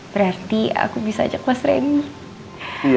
berarti aku bisa ajak mas randy